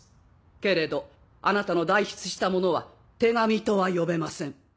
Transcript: けれどあなたの代筆したものは手紙とは呼べません。